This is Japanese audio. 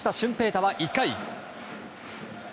大は１回。